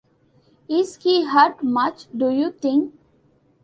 Is he hurt much, do you think?